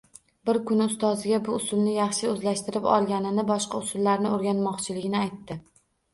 Bir kuni ustoziga bu usulni yaxshi oʻzlashtirib olganini, boshqa usullarni oʻrganmoqchiligini aytdi